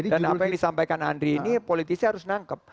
dan apa yang disampaikan andri ini politisi harus nangkep